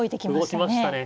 動きましたね。